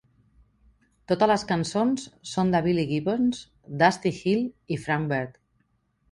Totes les cançons són de Billy Gibbons, Dusty Hill i Frank Beard.